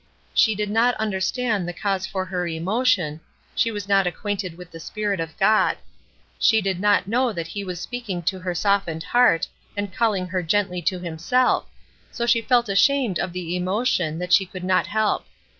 She did not understand the cause for her emotion; she was not acquainted with the Spirit of God; she did not know that he was speaking to her softened heart, and calling her gently to himself, so she felt ashamed of the emotion that she could not help.